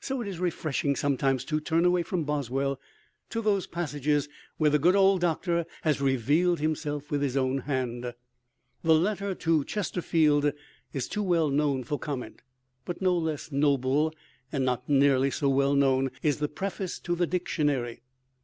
So it is refreshing sometimes to turn away from Boswell to those passages where the good old Doctor has revealed himself with his own hand. The letter to Chesterfield is too well known for comment. But no less noble, and not nearly so well known, is the preface to the Dictionary.